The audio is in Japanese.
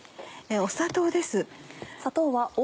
砂糖です。